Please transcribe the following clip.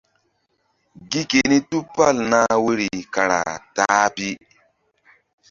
Gi keni tupal nah woyri kara ta-a pi.